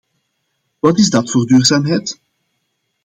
Wat is dat voor duurzaamheid?